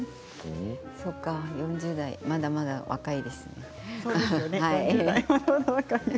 ４０代まだまだ若いですね。